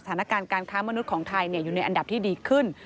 สถานการณ์การค้ามนุษย์ของไทยอยู่ในอันดับที่ดีขึ้น